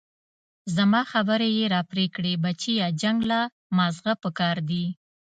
زما خبرې يې راپرې كړې بچيه جنګ له مازغه پكار دي.